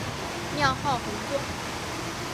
庙号弘宗。